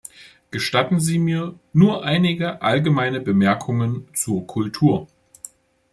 Gestatten Sie mir nur einige allgemeine Bemerkungen zur Kultur.